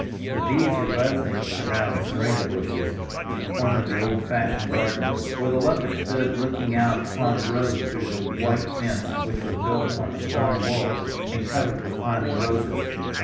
The bees were buzzing around the syringa bushes in the corner of the old fashioned garden, where the lovers stood looking out upon the road through the white fence which was built upon a stone wall, and covered with climbing roses.